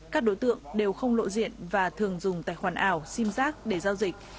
các đối tượng đều không lộ diện và thường dùng tài khoản ảo sim giác để giao dịch